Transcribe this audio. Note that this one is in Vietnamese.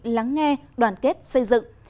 lắng nghe đoàn kết xây dựng